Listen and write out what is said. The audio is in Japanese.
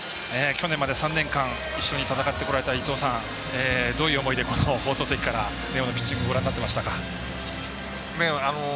去年まで３年間一緒に戦ってこられた伊東さん、どういう思いでこの放送席から根尾のピッチングご覧になっていましたか？